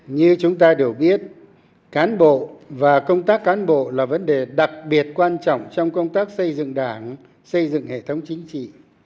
như chúng ta đều biết cán bộ và công tác cán bộ là vấn đề đặc biệt quan trọng trong công tác xây dựng đảng xây dựng hệ thống chính trị